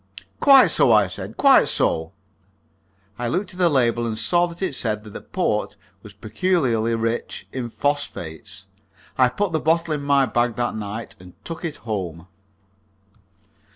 "Quite so," I said "quite so." I looked at the label, and saw that it said that the port was peculiarly rich in phosphates. I put the bottle in my bag that night and took it home.